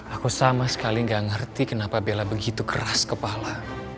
aku sama sekali gak ngerti kenapa bella begitu keras kepala